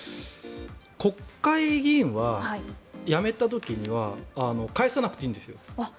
国会議員は辞めた時には返さなくていいんですよ。